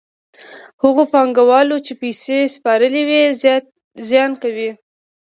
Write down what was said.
هغو پانګوالو چې پیسې سپارلې وي زیان کوي